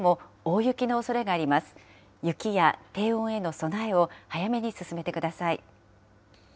雪や低温への備えを早めに進めてください。